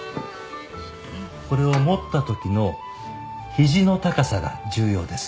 これを持った時のひじの高さが重要です。